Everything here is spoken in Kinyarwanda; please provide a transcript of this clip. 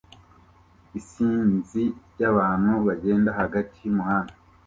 Isinzi ryabantu bagenda hagati yumuhanda